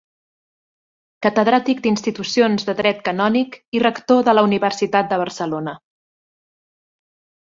Catedràtic d'Institucions de Dret Canònic i rector de la Universitat de Barcelona.